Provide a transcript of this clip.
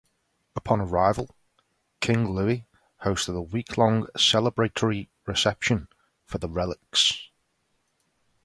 Upon arrival, King Louis hosted a week-long celebratory reception for the relics.